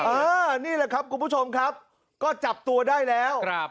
นี่แหละครับคุณผู้ชมครับก็จับตัวได้แล้ว